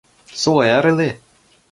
So early?